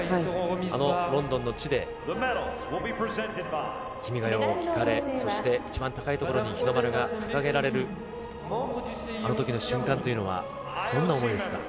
あのロンドンの地で君が代を聴かれ、一番高い所に日の丸が掲げられる、あのときの瞬間というのは、どんな思いですか。